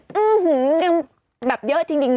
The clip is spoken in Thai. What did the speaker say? เงินเงินเงินเงินแบบเยอะจริง